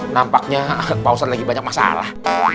nampaknya pak ustad lagi banyak masalah